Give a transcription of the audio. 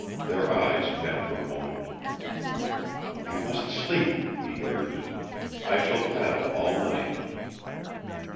Their eyes met for a moment. "You must sleep," he urged. "I shall paddle all night."